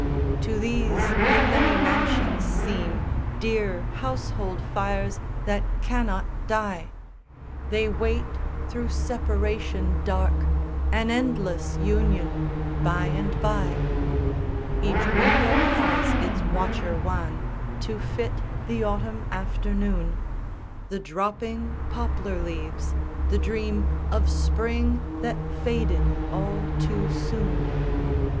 To these the many mansions seem Dear household fires that cannot die; They wait through separation dark An endless union by and by. Each window has its watcher wan To fit the autumn afternoon, The dropping poplar leaves, the dream Of spring that faded all too soon.